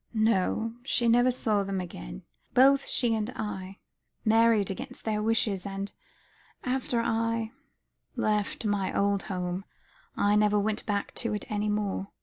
"No, she never saw them again. Both she and I married against their wishes, and after I left my old home, I never went back to it any more.